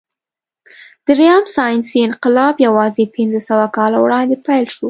درېیم ساینسي انقلاب یواځې پنځهسوه کاله وړاندې پیل شو.